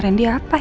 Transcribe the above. masuk ke rumah